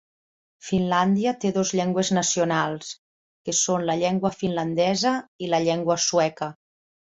Finlàndia té dos llengües nacionals: que són la llengua finlandesa i la llengua sueca.